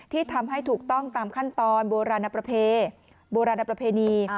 ทำให้ถูกต้องตามขั้นตอนโบราณประเพณโบราณประเพณี